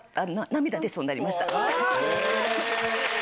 涙出そうになりました。